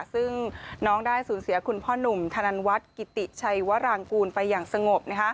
ซึ่งน้องได้สูญเสียคุณพ่อหนุ่มธนวัฒน์กิติชัยวรางกูลไปอย่างสงบ